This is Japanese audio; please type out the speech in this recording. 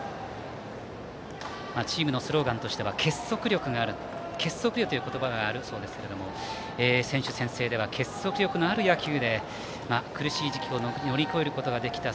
チームのスローガンとしては結束力という言葉があるそうですけれども選手宣誓では結束力のある野球で苦しい時期を乗り越えることができた。